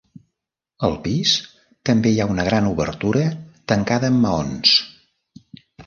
Al pis també hi ha una gran obertura tancada amb maons.